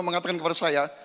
mengatakan kepada saya